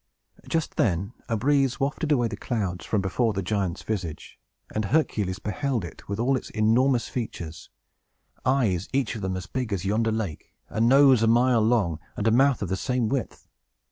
Just then a breeze wafted away the clouds from before the giant's visage, and Hercules beheld it, with all its enormous features; eyes each of them as big as yonder lake, a nose a mile long, and a mouth of the same width.